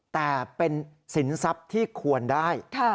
แต่เป็นสินทรัพย์ที่ควรได้